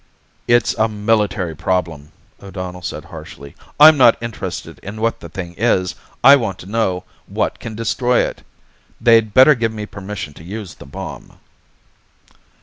"It's a military problem," O'Donnell said harshly. "I'm not interested in what the thing is I want to know what can destroy it. They'd better give me permission to use the bomb."